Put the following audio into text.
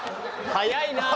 早いなあ。